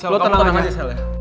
lo tenang aja sel ya